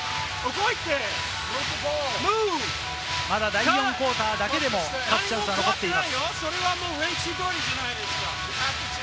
まだ、第４クオーターだけでも勝つ可能性が残っています。